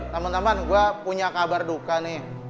temen temen gue punya kabar duka nih